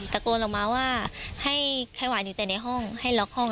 ตะโกนออกมาว่าให้ไข้หวานอยู่แต่ในห้องให้ล็อกห้อง